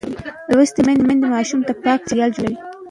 لوستې میندې ماشوم ته پاک چاپېریال جوړوي.